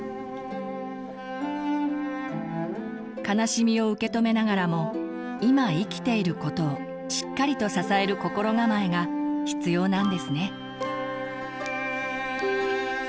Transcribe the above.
悲しみを受け止めながらも今生きていることをしっかりと支える心構えが必要なんですね。